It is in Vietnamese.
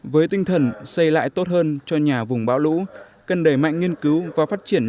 với tinh thần xây lại tốt hơn cho nhà vùng bão lũ cần đẩy mạnh nghiên cứu và phát triển